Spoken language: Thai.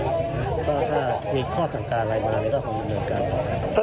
ถ้ามีข้อสังการอะไรมาเราก็คงดำเนินการ